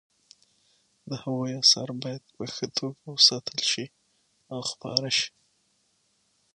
د هغوی اثار باید په ښه توګه وساتل شي او خپاره شي